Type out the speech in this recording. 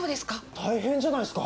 大変じゃないっすか！